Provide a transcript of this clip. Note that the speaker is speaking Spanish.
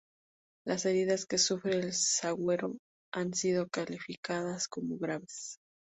Las heridas que sufre el zaguero han sido calificadas como "graves".